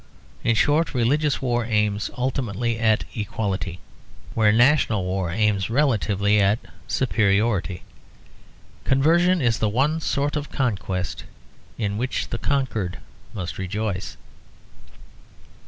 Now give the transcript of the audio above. In short religious war aims ultimately at equality, where national war aims relatively at superiority. Conversion is the one sort of conquest in which the conquered must rejoice.